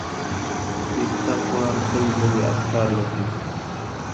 اقتصاد پوهان تل نوي افکار لټوي.